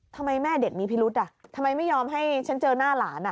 ทำไมแม่เด็กมีพิรุธทำไมไม่ยอมให้ฉันเจอหน้าหลาน